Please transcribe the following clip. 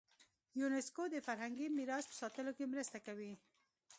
یونسکو د فرهنګي میراث په ساتلو کې مرسته کوي.